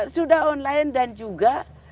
sudah online dan juga